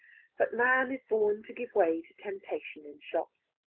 But man is born to give way to temptation in shops.